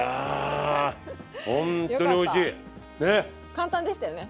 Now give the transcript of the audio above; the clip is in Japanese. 簡単でしたよね？